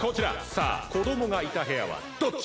さあこどもがいた部屋はどっち？